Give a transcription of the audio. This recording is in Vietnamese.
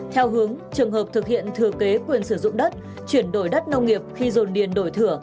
theo hướng trường hợp thực hiện thừa kế quyền sử dụng đất chuyển đổi đất nông nghiệp khi dồn điền đổi thửa